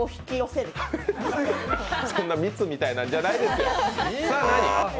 そんな蜜みたいなんじゃないですよ。